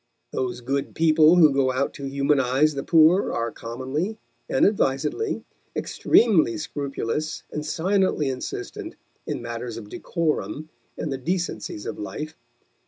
Those good people who go out to humanize the poor are commonly, and advisedly, extremely scrupulous and silently insistent in matters of decorum and the decencies of life.